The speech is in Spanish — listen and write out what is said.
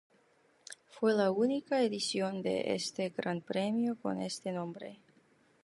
Fue la única edición de este Gran Premio con este nombre.